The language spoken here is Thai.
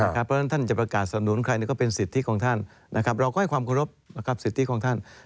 เพราะฉะนั้นท่านจะประกาศสนุนใครก็เป็นสิทธิของท่านเราก็ให้ความเคารพสิทธิของท่าน